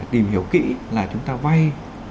tìm hiểu kỹ là chúng ta vay